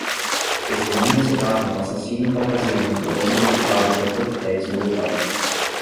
Testemunhas relatam um assassino caucasiano violento equipado com coquetéis Molotov.